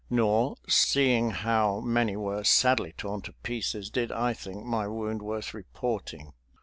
Nor, seeing how many were sadly torn to pieces, did I think my wound worth reporting.